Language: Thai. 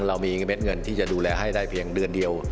เรามีเม็ดเงินที่จะดูแลให้ได้เพียงเดือนเดียว